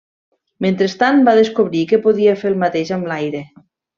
Mentrestant, va descobrir que podia fer el mateix amb l'aire.